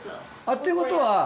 っていうことは。